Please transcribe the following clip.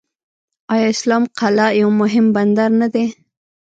آیا اسلام قلعه یو مهم بندر نه دی؟